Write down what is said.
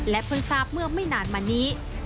เพิ่งทราบเมื่อไม่นานมานี้